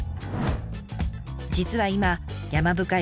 実は今山深い